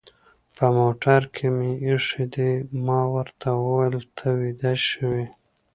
په موټر کې مې اېښي دي، ما ورته وویل: ته ویده شوې؟